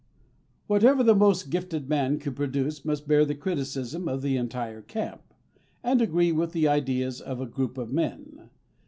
Whatever the most gifted man could produce must bear the criticism of the entire camp, and agree with the ideas of a group of men.